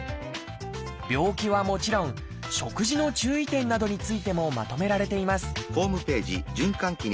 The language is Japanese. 病気はもちろん食事の注意点などについてもまとめられています